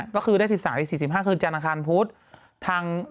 ก็คือได้๑๓๔๕คือจานคารพุทธ